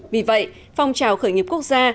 vì vậy phong trào khởi nghiệp quốc gia